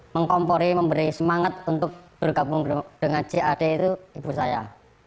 mengkompori memberi semangat untuk bergabung dengan jad itu ibu saya